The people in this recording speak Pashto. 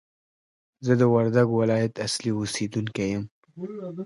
زه د وردګ ولایت اصلي اوسېدونکی یم!